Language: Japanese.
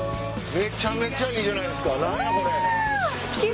めちゃめちゃいいじゃないですか！